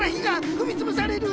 ふみつぶされる！